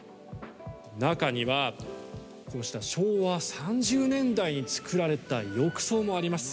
中には、この下昭和３０年代に造られた浴槽もあります。